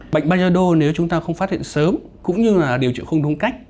bệnh bajedo nếu chúng ta không phát hiện sớm cũng như điều trị không đúng cách